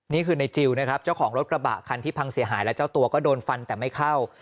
นี่คือในจิลนะครับเจ้าของรถกระบะคันที่พังเสียหายและเจ้าตัวก็โดนฟันแต่ไม่เข้า